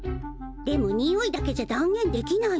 でもにおいだけじゃ断言できないの。